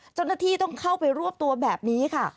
เจ้าหน้าที่ต้องเข้าไปรวบตัวแบบนี้ค่ะ